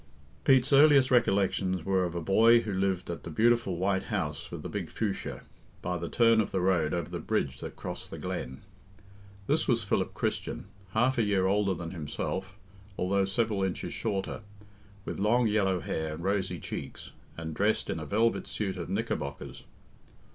Pete's earliest recollections were of a boy who lived at the beautiful white house with the big fuchsia, by the turn of the road over the bridge that crossed the glen. This was Philip Christian, half a year older than himself, although several inches shorter, with long yellow hair and rosy cheeks, and dressed in a velvet suit of knickerbockers.